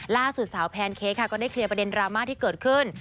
ล่าสุดสาวแพนเค้กค่ะก็ได้เคลียร์ประเด็นดราม่าที่เกิดขึ้น